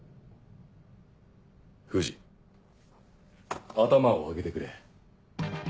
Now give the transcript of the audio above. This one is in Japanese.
藤頭を上げてくれ。